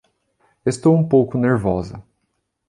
Estou um pouco nervosa